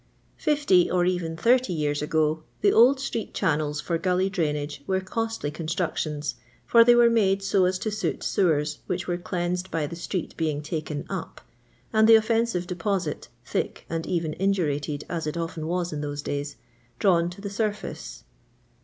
Fifty, or even thirty years ago, the old street channels for gully drainage were costly construc tions, for they were made so as to suit sewfers which were cleansed by the street being taken *^ up," and the offensive deposit, thick and even indurated as it often was in those days, drawn to the surface.